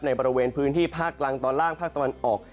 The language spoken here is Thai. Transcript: ในบริเวณพื้นที่ภาคกลางตอนล่างภาคตะวันออก